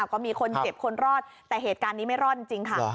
ก็มีคนเจ็บคนรอดแต่เหตุการณ์นี้ไม่รอดจริงค่ะ